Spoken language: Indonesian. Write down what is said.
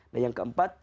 dan yang keempat